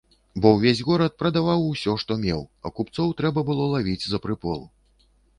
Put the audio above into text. Бо ўвесь горад прадаваў усё, што меў, а купцоў трэба было лавіць за прыпол.